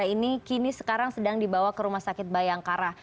ini kini sekarang sedang dibawa ke rumah sakit bayangkara